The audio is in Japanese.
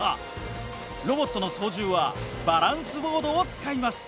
ロボットの操縦はバランスボードを使います。